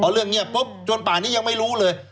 เรื่องเงียบปุ๊บจนป่านี้ยังไม่รู้เลย